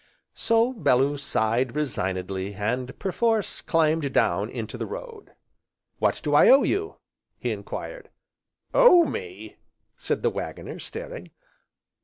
So, Bellew sighed resignedly, and, perforce, climbed down into the road. "What do I owe you?" he enquired. "Owe me!" said the Waggoner, staring.